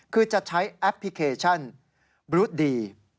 คือจะใช้แอปพลิเคชันบรุษดี